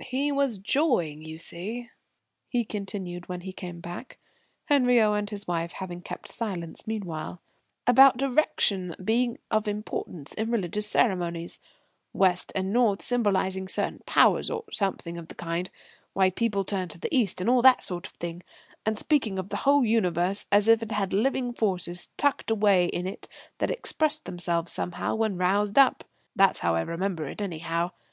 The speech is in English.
"He was jawing, you see," he continued when he came back, Henriot and his wife having kept silence meanwhile, "about direction being of importance in religious ceremonies, West and North symbolising certain powers, or something of the kind, why people turn to the East and all that sort of thing, and speaking of the whole Universe as if it had living forces tucked away in it that expressed themselves somehow when roused up. That's how I remember it anyhow.